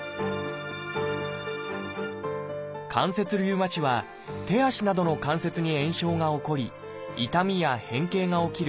関節リウマチは手足などの関節に炎症が起こり痛みや変形が起きる